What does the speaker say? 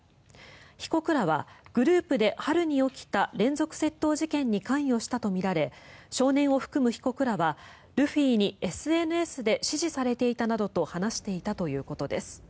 被告らはグループで春に起きた連続窃盗事件に関与したとみられ少年を含む被告らはルフィにＳＮＳで指示されていたなどと話していたということです。